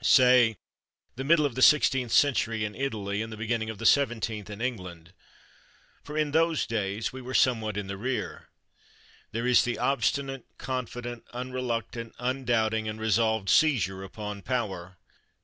Say the middle of the sixteenth century in Italy and the beginning of the seventeenth in England for in those days we were somewhat in the rear. There is the obstinate, confident, unreluctant, undoubting, and resolved seizure upon power.